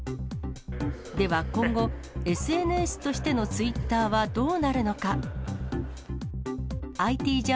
では今後、ＳＮＳとしてのツイッターはどうなるのか。